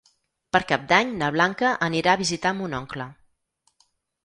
Per Cap d'Any na Blanca anirà a visitar mon oncle.